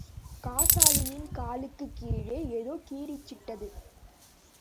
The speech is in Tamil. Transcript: காசாலியின் காலுக்குக் கீழே, ஏதோ கிரீச்சிட்டது.